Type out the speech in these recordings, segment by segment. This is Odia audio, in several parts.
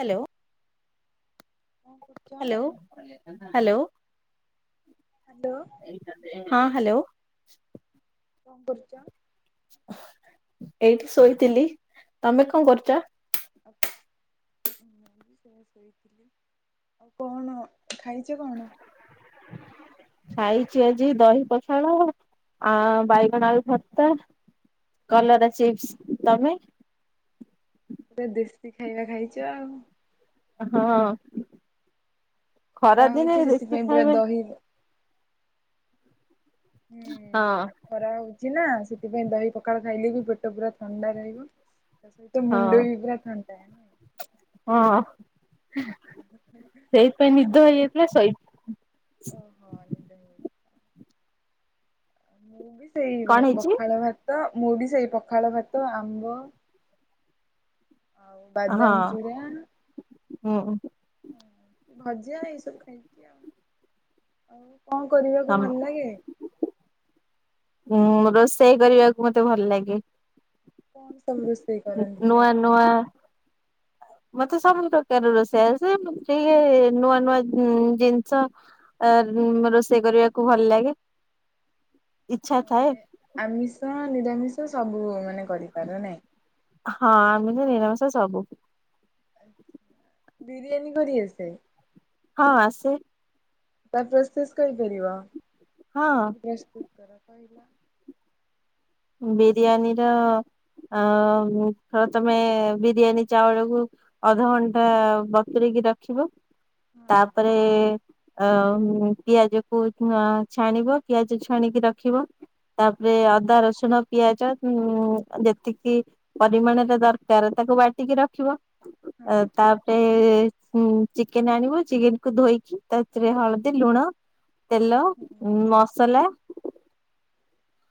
ହାଲୋ। କଣ କରୁଛ? Hello hello. ହାଲୋ। ହଁ ହାଲୋ। କଁ କରୁଚ? ଏଇଠି ଶୋଇଥିଲି ତମେ କଁ କରୁଚ? ଆସେ ମୁଁ ବି ସେଇଆ ଶୋଇଥିଲି ଆଉ କଣ ଖାଇଚ କ ଖାଇଚି ଆଜି ଦହି ପଖାଳ ଆ ବାଇଗଣ ଆଳୁ ଭର୍ତ୍ତା। କଲରା ଚିପ୍ସ୍ ତମେ? ଓଟେ ଦେଶୀ ଖାଇବା ଖାଇଚ ଆଉ। ହଁ ଖରା ହଉଛି ଖରାଦିନେ ସେଥିପାଇଁ ଦେଶୀ ପୁରା ଖାଇବେ। ଦହି ହୁଁ। ହଁ। ଖରା ହଉଚି ନା ସେଥିପାଇଁ ଦହି ପଖାଳ ଖାଇଲେ ବି ପେଟ ପୁରା ଥଣ୍ଡା ରହିବ। ତୋ ହଁ ମୁଣ୍ଡ ବି ପୁରା ଥଣ୍ଡା। ମୁଁ ହଁ ସେଇଥିପାଇଁ ନିଦ ହେଇଯାଇଥିଲା ଶୋଇ ଓହୋ ନିଦ ହେଇ ମୁଁ ବି ସେଇ କଣ ଭା ହେଇଛି? ପଖାଳ ଭାତ ମୁଁ ବି ସେଇ ପଖାଳ ଭାତ ଆମ୍ବ ଆଉ ବାଦାମ ହଁ ହୁଁ। ହଁ ଭଜା ଏଇସବୁ ଖାଇଚି ଆଉ ଆଉ କଁ କରିବାକୁ ଭଲ ଲାଗେ? ଉଁ ରୋଷେଇ କରିବାକୁ ମତେ ଭଲ ଲାଗେ। କଣ ସବୁ ରୋଷେଇ କରନ୍ତିି ନୂଆ ଆପ ନୂଆ ମତେ ସବୁ ପ୍ରକାର ରୋଷେଇ ଆସେ କିଏ ନୂଆ ନୂଆ ଜିନଷ ଆ ରୋଷେଇ କରିବାକୁ ଭଲ ଲାଗେ। ଇଚ୍ଛା ମାନେ ଥାଏ ଆମିଷ, ନିରାମିଷ ସବୁ ମାନେ କରିପାରେ ନାହିଁ? ହଁ ଆମିଷ, ନିରାମସ ସବୁ। ବିରିୟାନୀ କରି ଆସେ? ହଁ ଆସେ। ତା ପ୍ରସ୍ତୁତ କରିପାରିବ ହଁ କେମିତି ପ୍ରସ୍ତୁତ କର କହିଲ? ବିରିୟାନୀର ଆ ହ ତମେ ବିରିୟାନୀ ଚାଉଳକୁ ଅଧଘଣ୍ଟା ବତୁରିକି ରଖିବ ହଁ ତାପରେ ଅ ପିଆଜ କୁ ଛାଣିବ ପିଆଜ ଛାଣିକି ରଖିବ। ତାପରେ ହଁ ଅଦା ରସୁ ସୁଣ, ପିଆଜ ଯେତିକି ପରିମାଣରେ ଦରକାର, ତାକୁ ବାଟିକି ରଖିବ। ଅ ତା ଚିକେନ ଆଣିବ, ଚିକେନ କୁ ଧୋଇକି, ତାଥିରେ ହଳଦୀ, ଲୁଣ ତେଲ, ହୁଁ ମସଲା।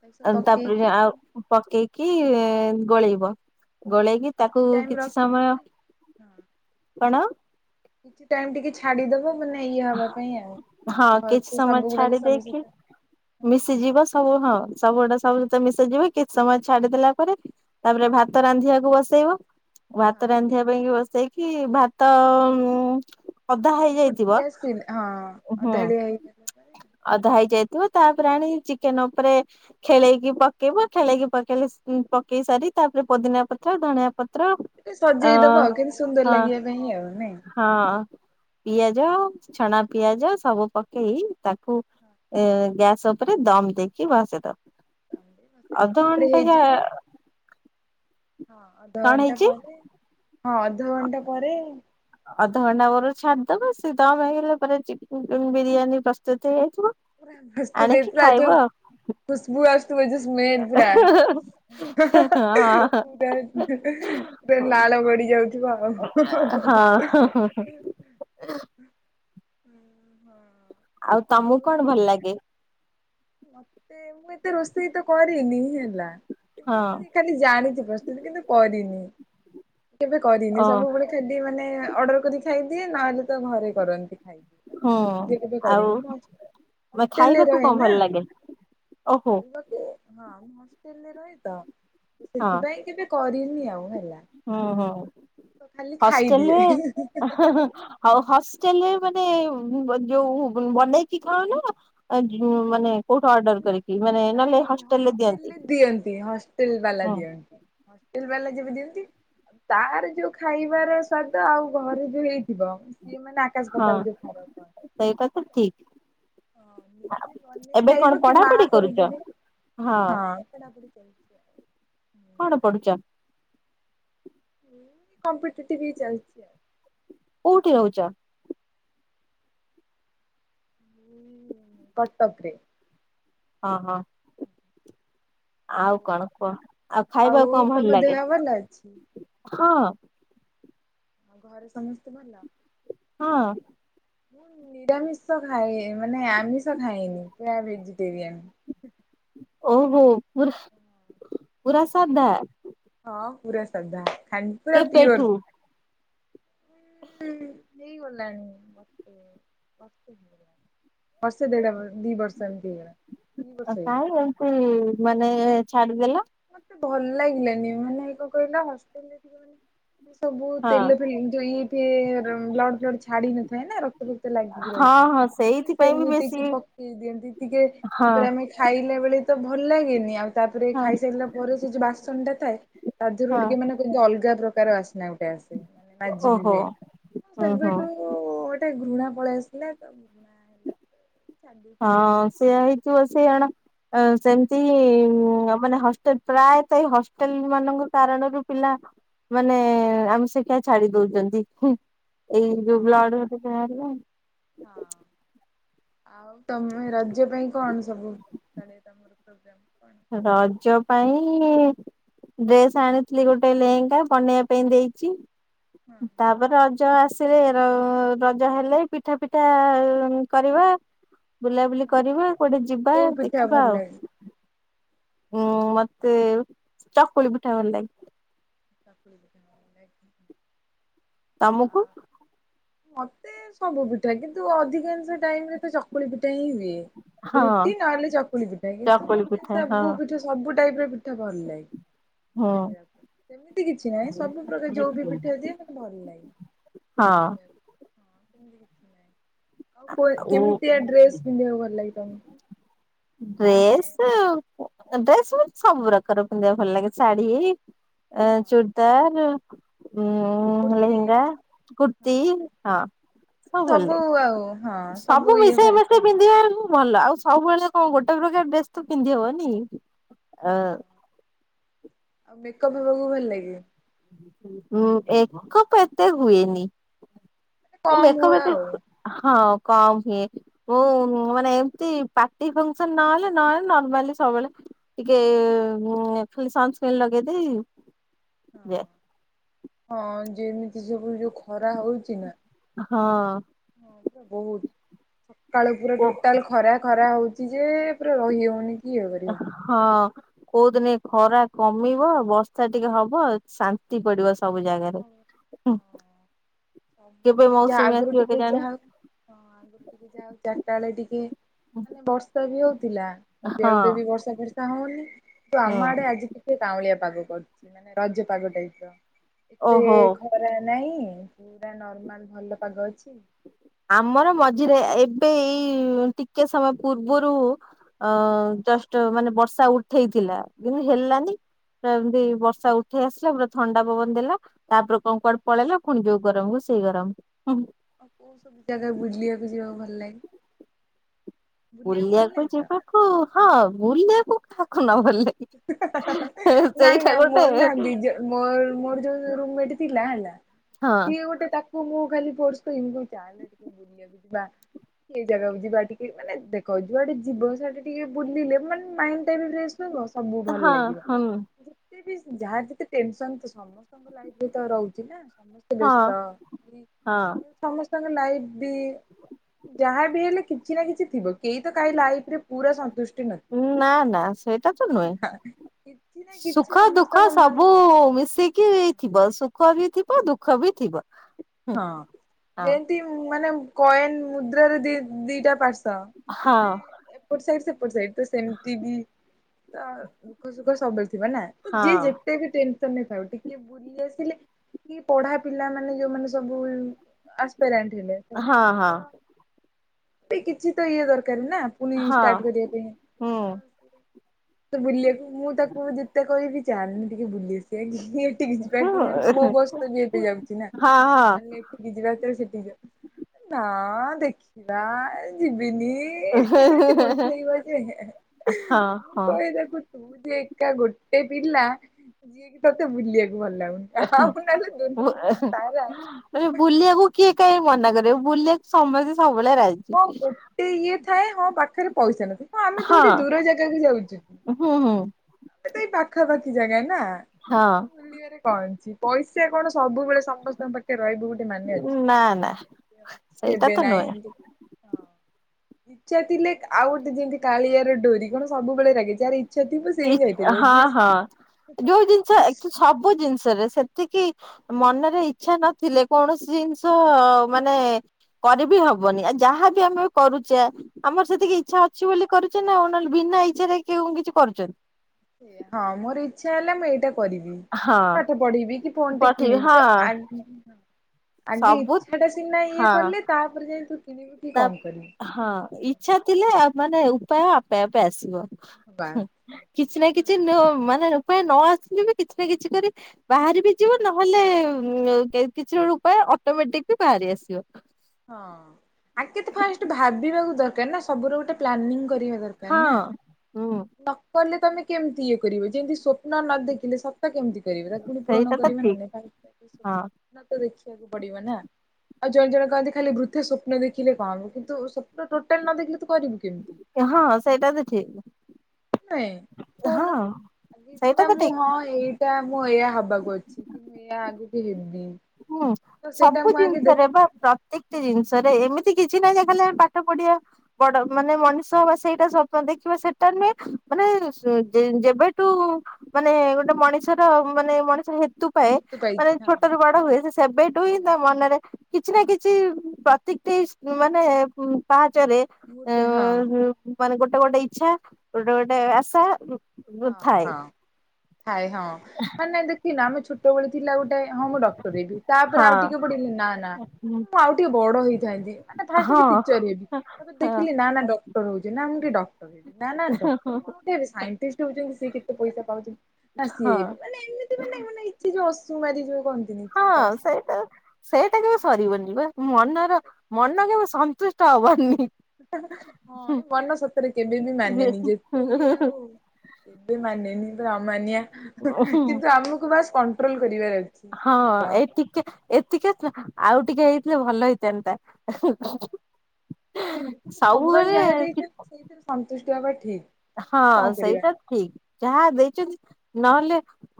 ତାକୁ ସବୁ ତାପରେ ପକେଇକି ଆଉ ପକେଇକି ଗୋଳେଇବ। ହଁ ଗୋଳେଇକି କିଛି ତାକୁ ଟାଇମ୍ କିଛି ରଖିକି ସମୟ ହଁ କଣ? କିଛି ଟାଇମ ଟିକେ ଛାଡିଦବ ମାନେ ଇଏ ହବା ପାଇଁ ଆଉ, ହଁ ଭଲ କିଛି ସେ ସମୟ ସବୁ ଛାଡି ଗୁଡାକ ସବୁ ଦେଇକି ସତ ମିଶିଯିବ ସବୁ ହଁ ସବୁ ଗୁଡା ସବୁ ସହିତ ମିଶିଯିବ କିଛି ସମୟ ଛାଡିଦେଲା ପରେ ତାପରେ ଭାତ ରାନ୍ଧିବାକୁ ବସେଇବ। ଭାତ ହଁ ରାନ୍ଧିବା ପାଇଁ ବସେଇକି ଭାତ ଅଧା ଟିକେ ଫୁଟି ହେଇଯାଇଥିବ ହଁ ହୁଁ ଅଧା ଟେ ଅଧା ହେଇଯାଇଥିବ ତାପରେ ଆଣି ଚିକେନ ଉପରେ ଖେଳେଇକି ପକେଇବ, ଖେଳେଇକି ପକେଇଲେ ପକେଇସାରି ତାପରେ ପୋଦିନା ପତ୍ର, ଧଣିଆ ପତ୍ର ଟେ ଅ ସଜେଇଦବ ଆଉ କେମତି ସୁନ୍ଦର ହଁ ଲାଗିବା ପାଇଁ ହିଁ ଆଉ ନାଇଁ? ହଁ ପିଆଜ, ଛଣା ପିଆଜ, ସବୁ ପକେଇ ତାକୁ ଗ୍ୟାସ ଉପରେ ଦମ ଦେଇକି ବସେଇ ଦବ। ତାସ ତାପରେ ହେଇଯିବ। ହଁ କଣ ଅଧଘଣ୍ଟା ହେଇଛି ପରେ ହଁ ଅଧଘଣ୍ଟା ପରେ ଅଧଘଣ୍ଟା ପରେ ଛାଡିଦବା ସେ ଦମ ହେଇଗଲା ପରେ ବିରିୟାନୀ ପ୍ରସ୍ତୁତ ହେଇଯାଇଥିବ। ଆଣିକି [unintelligible] ଆଜି ଖାଇବ ଯୋଉ ଖୁସବୁ ଆସୁଥିବ ଏୟୀ ଯୋଉ ସ୍ମେଲ ପୁରା ହଁ ହ ହ ବେ ବେ ଲାଳ ପାଣି ଯାଉଥିବ ଆଉ ହଁ ଆଉ ତମକୁ କଣ ଭଲ ଲାଗେ? ମତେ ମୁଁ ଏତେ ରୋଷେଇ ତ କରିନି ହେଲା, ହଁ କିନ୍ତୁ ମୁଁ [unintelligible] ଖାଲି ଜାଣିଛି ପ୍ରସ୍ତତିକିନ୍ତୁ କରିନି କେବେ କରିନି ଓ ସବୁବେଳେ ଖେଦି ମାନେ ଅର୍ଡର କରିିକ ଖାଇଦିଏ, ନହେଲେ ତ ଘରେ କରନ୍ତି। ଖାଇ ମାନ ହୁଁ ମୁଁ ନିଜେ କେବେ ଆଉ କରିନି ମୁଁ ମ ହଷ୍ଟେଲରେ ଖାଇବାକୁ ରହେ କଣ ନା। ଭଲ ଲାଗେ ଓହୋ ଖାଇବାକୁ ହଁ ମୁଁ ହଷ୍ଟେଲରେ ରହେ ତ ହଁ ସେଥିପାଇଁ କେବେ କରିନି ଆଉ ହେଲା। ହୁଁ ହୁଁ ତ ଖାଲି ଖାଇଦିଏ। ହଷ୍ଟେଲରେ ହା ହା ହା ଆଉ ହଷ୍ଟେଲରେ ମାନେ ଯୋଉ ବନେଇକି କଣ ନା ଆ ଯୋଉ ମନେ ନାଇଁ ଦିଅନ୍ତି। ହଷ୍ଟେଲରେ ଦିଅନ୍ତି, ହଷ୍ଟେଲ ବାଲା ହଁ ଦିଅନ୍ତି। ହଷ୍ଟେଲ ଵାଲା ଯେବେ ଦିଅନ୍ତି ତାର ଯୋଉ ଖାଇବାର ସ୍ଵାଦ ଆଉ ଘରେ ଯୋଉ ହେଇଥିବ ସିଏ ମାନେ ଆକାଶ ହଁ ପାତାଳ ଯୋଉ ଫରକ, ସେଇଟା ତ ଠିକ ନିଜେ ବନେଇକି ଏବେ କଣ କି ମା ପଢାପଢି କରୁଛ କରିଦେବେ, ହଁ କଣ ପଢୁଛ? କମ୍ପିଟେଟିଭ ହିଁ ଚାଲିଛି ଆଉ। କୋଉଠି ରହୁଛ। ହୁଁ କଟକରେ। ହଁ ହଁ। ଆଉ କଣ କୁହ ଆଉ ଖାଇବାକୁ କଣ ତମ ଭଲ ଦେହ ଲାଗେ ଭଲ ଅଛି? ହଁ। ଆଉ ଘରେ ସମସ୍ତେ ଭଲ। ହଁ। ନିରାମିଷ ଖାଏ ମାନେ ଆମିଷ ଖାଏନି ପା ଭେଜିଟେରିଆନ୍। ଓହୋ ପୁର ପୁରା ସାଧା। ହଁ ପୁରା ସାଧା ଖାଣ୍ଡ କେବେଠୁ? ହେଇଗଲାଣି। ବର୍ଷ ଦେଢ଼ଷ ଦି ବର୍ଷ ଏମିତିହେଇଗଲା। ଓ କାଇ ଏମତି ମାନେ ଛାଡିଦେଲ। ମତେ ଭଲ ଲାଗିଲାନି ମାନେ କଣ କହିଲା ହଷ୍ଟେଲରେ ମାନେ ସବୁ ହଁ। ତେଲ ଫେ ଇଠ ବ୍ଲଡ ଫ୍ଲଡ଼ ଛାଡି ନଥାଏ ନା ରକ୍ତ ଫକ୍ତ ଲାଗିକି ହଁ ରହିଥାଏ। ହଁ ସେଇଥିପାଇଁ ବି ବେଶୀ ସେମିତିିକ ପକେଇ ଦିଅନ୍ତି ଟିକେ ହଁ ତାପରେ ଆମେ ଖାଇଲା ବେଳେ ତ ଭଲ ଲାଗେନି ଆଉ ତାପରେ ହଁ ଖାଇସାରିଲା ପରେ ସେ ଯଉ ବାସନ ଟା ଥାଏ ତା ଦେହରୁ ଟିକେ ମାନେ କ ଅଲଗା ପ୍ରକାର ଆସିନା ଗୋଟେ ଆସ ମାଜି ବିି ଓହୋ ହୁଏ ହୁଁ ହୁଁ ସେବେୁଠୁ ଗୋଟେ ଘୃଣା ପଳେଇ ଆସିଲା ତ। ହେଲା। ଛାଡି ଦେଇଛି ଆଉ ହଁ ସେ ହେଇଥିବ ସେ ଜଣ ସେମିତି ମାନେ ହଷ୍ଟେଲ ପ୍ରାୟତଃ ଏଇ ହଷ୍ଟେଲ ମାନଙ୍କ କାରଣରୁ ପିଲା ମାନେ ଆମେ ସେ କି ଛାଡି ଦଉଛନ୍ତି ହୁଁ। ଏଇ ହଁ ଯୋଉ ବ୍ଲଡ ହଁ ବାହାରିଲା। ହଁ। ଆଉ ତମେ ରାଜ୍ୟ ପାଇଁ କଣ ସବୁ ଡ ତମର ପ୍ର କଣ ରଜ ପାଇଁ ଡ୍ରେସ ଆଣିଥିଲି ଗୋଟେ ଲେହେଙ୍ଗା ବନେଇବା ପାଇଁ ଦେଇଛି ହଁ ତା ଏ ରଜ ଆସିଲେ ରଜ ହେଲେ ପିଠା ପିଠା କରିବ ବୁଲାବୁଲି ହଁ କରିବା କୁଆଡେ ଯିବା କୋଉ ପିଠା ଦେଖିବା ଭଲ ଆଉ। ଲାଗେ? ହୁଁ ମତେ ଚକୁଳି ପୁଠା ଭଲଲାଗେ। ତାକୁ ତମକୁ। ମତେ ସବୁ ପିଠା କିନ୍ତୁ ଅଧିକାଂଶ ଟାଇମରେ ଚକ୍ ଚକୁଳି ପିଠା ହିଁ ହୁଏ ହଁ ରୁଟି ନହେଲେ ଚକୁଳି ପିଠା କିନ୍ତୁ ଚକୁଳି ମତେ ପିଠା ହଁ ସବୁ ତ ସବୁ ଟାଇପ ର ପିଠା ଭଲଲାଗେ। ହଁ। ଏମିତି କିଛି ନାହିଁ ସବୁ ପ୍ରକାର ଯୋଉ ବି ପିଠା ଦିଏ ମତେ ଭଲଲାଗେ। ହଁ ଆଉ କେମିତିଆ ଡ୍ରେସ ପିନ୍ଧିବାକୁ ଭଲ ଲାଗେ ତ ଡ୍ରେସ ଡ୍ରେସ ସବୁ ସବୁ ରକମର ପିନ୍ଧବାକୁ ଭଲ ଲାଗେ, ଶାଢୀ। ହଁ ଆଁ ଚୁଡ଼ିଦାର ଉଁ କୁର୍ତି ଲେହେଙ୍ଗା କୁର୍ତ୍ତି ହଁ ସବୁ ଭଲଲାଗେ ସବୁ ଇଏ ମିଶେଇ ଭଲ ମିଶେଇ ଲାଗେ ପିନ୍ଧିବାରେ ଭଲ ଆଉ ସବୁବେଳେ କଣ ଗୋଟେ ପ୍ରକାର ଡ୍ରେସ ତୋ ପିନ୍ଧି ହବନି। ହଁ। ଆ ମେକଅପ୍ ହେବାକୁ ବି ଭଲ ଲାଗେ। ହୁଁ ମେକପ୍ ଏତେ ହୁଏନି। ମୁଁ କମ୍ ମକେପ୍ ଏତେ ଆଉ ହୁଏ ହଁ କମ୍ ହୁଏ। ହଉ ମାନେ ଏମତି ପାର୍ଟି ଫଙ୍ଗସନ ନହେଲେ ନହେଲେ ନର୍ମାଲି ସବୁବେଳେ। ଟିକେ ଉଁ ନେଫିଲ ସନସ୍ କ୍ରିମ ଲଗେଇ ଦେଇ ହଁ। ଯା ହଁ ଯେମିତି ସବୁ ଯୋଉ ଖରା ହଉଛି ନା। ହଁ। ବହୁତ [unintelligible] ସକାଳୁ ପୁରା ଓ ଟୋଟାଲ ଖରା ଖରା ହଉଛି ଯେ ପୁରା ରହି ହଉନି କି ଇଏ କରି ହଉନି ହଁ କୋଉଦିନ ଏ ଖରା କମିବ ବର୍ଷା ଟିକେ ହବ। ଶାନ୍ତି ପଡିବ ସେ ସବୁ ଜାଗାରେ ହଁ। ହିଁ ହଁ। କେବେ ସବୁ ଯାହା ମୌସୁମୀ ଆଗରୁ ଆସିବ ଟିକେ କେ ଜାଣି? ଯାହା ହଁ ଆଉ ଯେତିକି ଯାଉ ଚାର୍ଟା ବେଳେ ଟିକେ ତ ବର୍ଷା ବି ହଉଥିଲା ଏବେ ହଁ ଆଉ ତ ବି ବର୍ଷା ଫର୍ଷା ହଉନି ତୋ ଆମ ଆଡେ ହୁଁ ଆଜି ତ ଟିକେ କାଉଁଳିଆ ପାଗ କରୁଛି ମାନେ ରଜ ପାଗ ଟାଇପ୍ ର ଏତେ ଓହୋ ଖରା ନାଇଁ ପୁରା ନର୍ମାଲ ଭଲ ପାଗ ଅଛି। ଆମର ଆଉ ମଝିରେ ଏବେ ଏଇ ଟିକେ ସମୟ ପୂର୍ବରୁ ଅ ହଁ ଜଷ୍ଟ ମାନେ ବର୍ଷା ଉଠ ଉଠେଇଥିଲା କିନ୍ତୁ ହେଲାନି [inaudible] ବି ବର୍ଷା ଉଠେଇ ଆସିଲା ପୁରା ଥଣ୍ଡା ପବନ ଦେଲା। ତାପରେ କଣ କୁଆଡେ ପଳେଇଲା ପୁଣି ଯୋଉ ଗରମକୁ ସେଇ ଗରମ ହୁ [unintelligible] ଜାଗା ବୁଲିବାକୁ ଯିବାକୁ ଭଲ ଲାଗେ। ଭଲ ବୁଲିବାକୁ ଲାଗେ ତ? ଯିବାକୁ ହଁ ବୁଲିବାକୁ କାହାକୁ ନ ଭଲଲାଗେ। ହୀ - ହା - ହା - ହା - ହା ହେଁ ନାଇଁ ନାଇଁ ମୋର ନା ନିଜ ମୋର ମୋର ଯୋଉ ରୁମମେଟ୍ ଥିଲା ହେଲା ହଁ ସିଏ ଗୋଟେ ତାକୁ ମୁଁ ଖାଲି ଫୋର୍ସ ତ ଇଁଗୁଏଟ ଚାଲେ ଟିକେ ବୁଲିବାକୁ ଯିବା। ଏଇ ଜାଗାକୁୁ ଯିବା ଟିକେ ମାନେ ଦେଖ ଯୁଆଡେ ଯିବ ସେଆଡ଼େ ଟିକେ ବୁଲିଲେ ମାନେ ମାଇଣ୍ଡ ବି ଫ୍ରେସ ରହିବ। ସବୁ ଭଲ ହଁ ଲାଗିବ। ହଁ ଯେତେ ବି ଯାହାର ଯେତେ ଟେନସନ୍ ସେ ସମସ୍ତ ତମ ଲାଇଫ ରେ ତ ରହୁଛି ନା ସମସ୍ତ ହଁ ବ୍ୟସ୍ତ। ହଁ [unintelligible] ସମସ୍ତଙ୍କ ଲାଇଟ ବି ଯାହା ବି ହେଲେ କିଛି ନା କିଛି ଥିବ। କେହି ତ କାଇ ଲାଇଫ୍ ରେ ପୁରା ସନ୍ତୁଷ୍ଟି ନଥି ଉ ନା ନା ସେ ଏଟା ତ ନୁହେଁ। କିଛି ନା [inaudible] କିଛି ସୁଖ ଦୁଃଖ ସମସ୍ତଙ୍କ ମନ ସବୁ ମିଶୀଇ କି ଥିବ ସୁଖ ବି ଥିବ ଦୁଃଖ ବି ଥିବ। ହଁ ହଁ। ଯେମତି ମାନେ କଏନ ମୁଦ୍ରାରେ ଦି ଦିଟା ପାର୍ଶ୍ଵ। ତ ମାନେ ଏପଟ ସାଇଡ ସେପଟ ସାଇଡ ତ ସେମିତି ବି ଆଁ ଦୁଃଖ ସୁଖ ସବୁବେଳେ ଥିବ ନା। ଯିଏ ଯେତେ ବି ଟେନସନ ରେ ଥାଉ ଟିକେ ବୁଲି ଆସିଲେ କି ପଢା ପିଲା ମାନେ ଯୋଉମାନେ ସ ସବୁ ଉ ଅସ୍ପେରେନଡ୍ ହେଲେ ସେମାନେ ବି ତ ତି କିଛି ତ ଇଏ ଦରକାର ନା ପୁଣି ଷ୍ଟାର୍ଟ କରିବା ପାଇଁ ଆ ତ ବୁଲିବାକୁ ମୁଁ ତାକୁ ଯେତେ କହିଲି ଚାଲ ଟିକେ ବୁଲିଆସିବା ସିଏ ପ୍ଲିଜ ଯିବା କି ୟାର ମୋ ବସ୍ ତ ଏବେ ଯାଉଛି ନା। ହଁ - ହଁ। ଚାଲେ ଏଠିକି ଯିବା ଭିତରେ ସେଠିକି ଯିବା ନା ଦେଖିବା ଯିବିନି [unintelligible] ଯେ ମୁଁ କହ ହଁ ହଁ ଦେଖୁ ମୁୁ ଯେ ଏକା ଗୋଟେ ପିଲା ଯିଏକି ତତେ ବୁଲିବାକୁ ଭଲ ଲାଗୁନି ଆଉ ନହେଲେ ଦୁନିଆ ତାରା ଏ ବୁଲିବାକୁ କିଏ କାଇହିଁ ମନା କରିବ ବୁଲିବାକୁ ସମସ୍ତେ ସବୁବେଳେ ରା ହଁ ଗୋଟେ ଇଏ ଥାଏ ହଁ ପାଖରେ ପଇସା ନଥାଏ ହଁ ଆମେ ଥଠି ଦୂର ଜାଗାକୁ ଯାଉଛୁ ହୁଁ ହୁଁ ଏ ତ ଏଇ ପାଖାପାଖି ଜାଗା ନା ହଁ ବୁଲିବାରେ କଣ ଅଛି। ପଇସା କଣ ସବୁବେଳେ ସମସ୍ତଙ୍କ ପାଖେ ରହିବୁ ବୋଲି ସେ ମାନେ ଅଛି ନା ନା ସେଇଟା ସେଏବେ ତ ନାଇଁ ନୁହେଁ ଇଛା ଥିଲେ ଆଉ ଗୋଟେ ଯେମିତି କାଳିଆର ଡୋରି କଣ ସବୁବେଳେ ରାଗିଛି ଆର୍ ଇଛା ଥିବ ସେଇ ଇ- ହିଁ ଇଏ କରିବ ହଁ ଯିଏ ହିଁ ହଁ ଯୋଉ ଜିନିଷ ହେଁ ହା ଆକ୍ଚୁ- ସବୁ ଜିନିଷରେ ସେତିକି ମନରେ ଇଛା ନଥିଲେ କୌଣସି ଜିନିଷ ମାନେ କରିବି ହବନି ଆଉ ଯାହାବି ଆମେ କରୁଚେ ଆମର ସେତିକି ଇଚ୍ଛା ଅଛି ବୋଲି କରୁଛ ନା ଆଉ ନହେଲେ ବିନା ଇଛାରେ କେଉଁ କିଛି କରୁଛନ୍ତି। ହଁ ମୋର ଇଚ୍ଛା ହେଲା ମୁଁ ଏଇଟା କରିବି। ହଁ ପାଠ ପଢ଼ିବି କି ଫୋନ ଟେ ପଠେଇବି କିଣିବି ତ ହଁ ଆଗେ ସବୁ ଇଚ୍ଛାଟା ସିନା ଇଏ ହଁ। କଲେ ତାପରେ ଯାଇ ତୁ କିଣିବୁ କି ତା କଣ କରିବୁ। ହଁ ଇଚ୍ଛା। ଥିଲେ ଆ ମାନେ ଉପାୟ ଆପେ ଆପେ ଆସିବ ବା କିଛି ନା ହଁ। କିଛି ନୂ ମାନେ। ପାପାୟ ନ ଆସିଲୁ ବି କିଛି ନା କିଛି କରି। ବାହାରି ବି ଯିବ ନହେଲେ ଉଁ କେ କିଛି ଗୋଟ ଉପାୟ ଅଟୋମେଟିକ ବି ବାହାରି ଆସିବ। ହଁ ଆଗେ ତ ଫାଷ୍ଟ ଭାବିବାକୁ ଦରକାର ନା ସବୁର ଗୋଟେ ପ୍ଲାନିଂ କରିବା ଦରକାର। ଜିଣି ନା। ହଁ ହୁଁ ନକଲେ ତମେ କେମିତି ଇଏ କରିବେ ଯେମିତି ସ୍ୱପ୍ନ ନ ଦେଖିଲେ ସତ କେମିତି। କରିବି ତାକୁ ପୁଣି ପୂରଣ ସେଇଟା ତ କରିବି ନା ଠିକ ନାଇଁ। ହଁ ସ୍ଵପ୍ନ ତ ଦେଖିବାକୁ ପଡିବ ନା ଆଉ ଜଣେ ଜଣେ କହନ୍ତି। ଖାଲି ବୃଥ ସ୍ୱପ୍ନ ଦେଖିଲେ କଣ ହବ କିନ୍ତୁ ସ୍ୱପ୍ନ ଟୋଟାଲ ନ ଦେଖିଲେ ତ କରିବୁ କେମିତି। ହଁ ସେଇଟା ତ ଠିକ। ନାଇଁ ହଁ କଉନ ଆଯି ସେଇଟା ସିନା ତ ଠିକ ମୁଁ ହଁ ଏଇ। ତା ମୁଁ ଏଇଆ ହବାକୁ ଅଛି କି ମୁଁ ଏଇଆ ଆଗକୁ ହେବି। ହୁଁ ତ ସେଇଟା ସବୁ ମୁଁ ଆଗେ ଦେଖି ଜିନିଷରେ ବା ପ୍ର ପ୍ରତ୍ୟକଟି ଜିନିଷରେ ଏମିତି କିଛି ନାହିଁ ଯେ ଖାଲି ଆମେ ପାଠ ପଢିବା। ବଡ ମାନେ ମଣିଷ ହବା ସେଇଟା ସ୍ବପ୍ନ ଦେଖିବା ସେଟା ନୁହେଁ ମାନେ ସ ଯେବେଠୁ। ମାନେ ଗୋଟେ ମଣିଷର ମାନେ ମଣିଷ ହେତୁ। ପାଏ ମାନେ ପାଇଛି ହଁ ଛୋଟୁ ହଁ ରୁ ବଡ ହୁଏ ସେ ସେବେଠୁ ହିଁ ତା ମ ମନରେ କିଛି ନା କିଛି ପ୍ରତିକଟି ମାନେ ପାହାଚରେ। ମୁହୂର୍ତ୍ତେ ହଁ ଏଁ ମାନେ ଗୋଟେ ଗୋଟେ ଇଛା ଗୋଟେ ଗୋଟେ ଆଶା। ହଁ ଥାଏ। ହଁ ଥାଏ ହଁ ମାନେ ଦେଖ କି ନା ଆମେ ଛୋଟବେଳେ ଥିଲା ଗୋଟେ ହଁ ମୁଁ ଡକ୍ଟର ହେବି ତାପରେ ଆଉ ଟିକେ ହଁ ପଡ ହେଲେ ନା ନା। ମୁଁ ଆଉ ଟିକେ ବଡ ହେଇଥାନ୍ତି ମାନେ ଫାଷ୍ଟ ହଁ ଆଗେ ଟିଚର ହେବି ତ ହଁ। ଦେଖିଲି ନା ନା ଡ ଡକ୍ଟର ହଉଛି ନା ମୁଁ ଟିକେ ଡକ୍ଟର ହେବି ନା ଡକ୍ଟର କଣ ଗୁଟେ ହେବି ସାଇନଟିଷ୍ଟ। ସିଏ କେତେ ପଇସା ପାଉଛନ୍ତି ନା ସିଏ ହଁ। ଏତେ ମାନେ ଏମିତି ମାନେ ଇଛା ଯୋଉ ଅସୁମାରୀ ଯୋଉ କ ହଁ ସେଇଟା ସେଇଟା କେବେ ସରିବନି ବା ମନର ମନ କେବେ ସନ୍ତୁ ଷ୍ଟ ହବନି। ହଁ ହୁଁ। ଏଇ ମନ ସତରେ କେବେ ବି ମାନେ ନି ଯେତେ ଇଏ ହଉ। କେବେ ମାନେନି ପୁରା ଅମାନିଆ ହୁଁ କିନ୍ତୁ ଆମକୁ ବାସ କଣ୍ଟ୍ରୋଲ କରିବାର ଅଛି। ହଁ ସବୁର ଏ ଟିକେ ଏତିକି ହେଇଥିଲା ଆଉ ଟିକେ ହେଇଥିଲେ ଭଲ ହେଇଥାନ୍ତା। ହଁ ସବୁବେଳେ। ସନ୍ତୁଷ୍ଟି ହେବା ଠିକ। ହଁ କିନ୍ତୁ କଣ କରିବା ସେଇଟା ଠିକ ଯାହା ଦେଇଛନ୍ତି ନହେଲେ।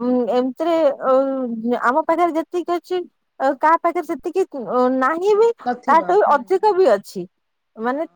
ଉଁ ଏମିତି ରେ ଉଁ ଆମ ପାଖରେ ଯେତିକି ଅଛି। ଆଉ କାହା ପାଖରେ ସେତିକି ଓ ନାହିଁ ବି। ନଥିବ ତାଠୁ ହୁଁ ଅଧିକ ହୁଁ ବି ଅଛି ହଁ। ମାନେ।